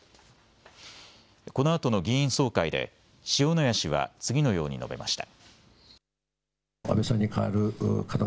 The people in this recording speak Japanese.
このあとの議員総会で塩谷氏は次のように述べました。